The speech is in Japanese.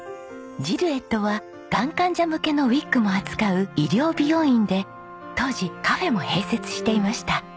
Ｇｉｒｏｕｅｔｔｅはがん患者向けのウィッグも扱う医療美容院で当時カフェも併設していました。